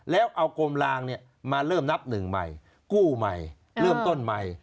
แล้วเอากรมลางมาเริ่มนับหนึ่งใหม่กู้ใหม่เริ่มต้นใหม่